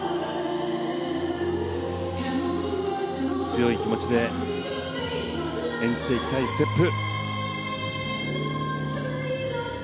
強い気持ちで演じていきたいステップ。